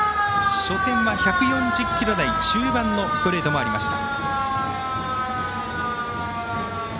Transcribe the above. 初戦は１４０キロ台中盤のストレートもありました。